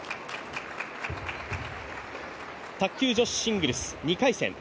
卓球女子シングルス、２回戦。